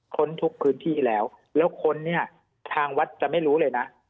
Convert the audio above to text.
ค้นทุกพื้นที่แล้วแล้วค้นเนี่ยทางวัดจะไม่รู้เลยนะ